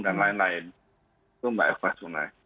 dan lain lain itu mbak eva sungai